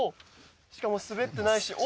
しかも滑ってないし。